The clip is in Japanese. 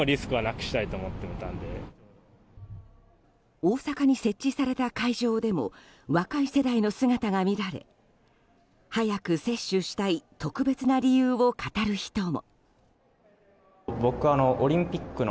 大阪に設置された会場でも若い世代の姿が見られ早く接種したい特別な理由を語る人も。